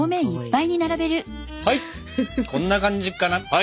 はいこんな感じかな。